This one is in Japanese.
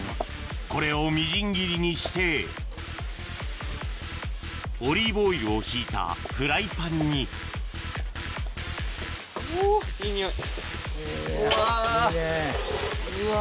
これをみじん切りにしてオリーブオイルを引いたフライパンにうわ。